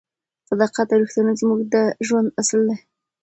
صداقت او رښتینولي زموږ د ژوند اصل دی.